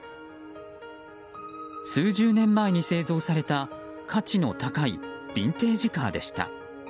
数十年前に製造された価値の高いビンテージカーでした。